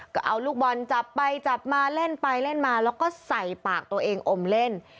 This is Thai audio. ก็เอาลูกบอลจับไปจับมาเล่นไปเล่นมาแล้วก็ใส่ปากตัวเองอมเล่น